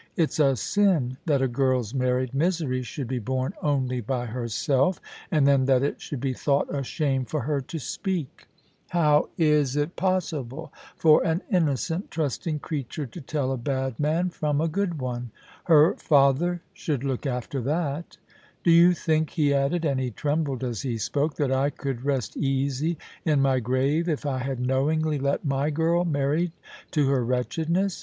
It's a sin that a girl's married misery should be borne only by herself — and then that it should be thought a shame for her to speak ! How HERCULES AND OMPHALE, loi IS it possible for an innocent, trusting creature to tell a bad man from a good one ? Her father should look after that Do you think,' he added, and he trembled as he spoke, * that I could rest easy in my grave if I had knowingly let my girl marry to her wretchedness